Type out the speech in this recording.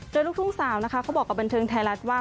โดยลูกทุ่งสาวนะคะเขาบอกกับบันเทิงไทยรัฐว่า